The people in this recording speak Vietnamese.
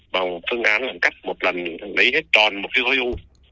và một phương án là cắt một lần lấy hết tròn một cái khối u